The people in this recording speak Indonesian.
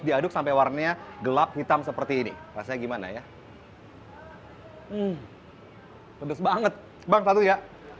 diaduk sampai warnanya gelap hitam seperti ini rasanya gimana ya pedes banget bang satu ya